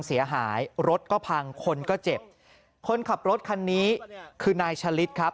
เสียหายรถก็พังคนก็เจ็บคนขับรถคันนี้คือนายชะลิดครับ